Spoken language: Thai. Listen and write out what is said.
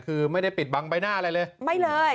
คือไม่ได้ปิดบังใบหน้าอะไรเลยไม่เลย